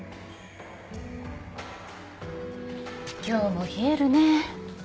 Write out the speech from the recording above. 今日も冷えるね。